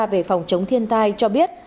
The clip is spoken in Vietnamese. về phòng chống thiên tai cho biết